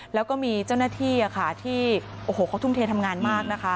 แล้วก็มีเจ้าหน้าที่ที่ทุ่มเทนทำงานมาก